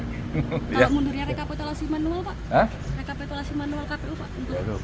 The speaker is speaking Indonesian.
kalau mundurnya rekapitulasi manual pak